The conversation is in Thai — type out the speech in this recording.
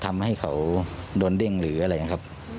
ทำให้เขาโดนเริ่มเหลืออะไรนะครับ